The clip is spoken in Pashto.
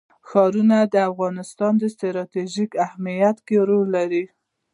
ښارونه د افغانستان په ستراتیژیک اهمیت کې رول لري.